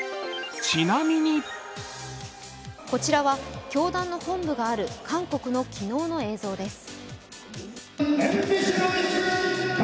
こちらは教団の本部がある韓国の昨日の映像です。